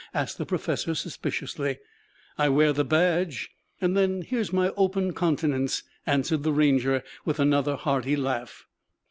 asked the professor suspiciously. "I wear the badge and then here's my open countenance," answered the Ranger with another hearty laugh.